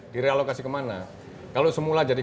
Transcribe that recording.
di realokasi kemana kalau semula jadi